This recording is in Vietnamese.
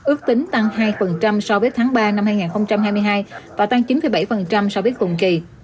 ước tính tăng hai so với tháng ba năm hai nghìn hai mươi hai và tăng chín bảy so với cùng kỳ